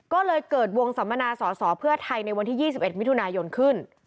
ก็เลยเกิดวงสัมมนาสอสอเพื่อไทยในวันที่๒๑มิถุนายนขึ้น